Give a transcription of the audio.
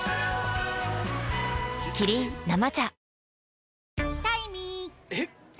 キリン「生茶」